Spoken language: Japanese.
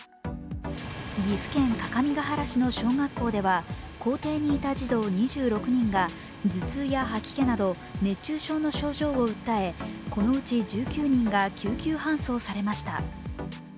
岐阜県各務原市の小学校では校庭にいた児童２６人が頭痛や吐き気など熱中症の症状を訴え、このうち１９人が救急搬送されました。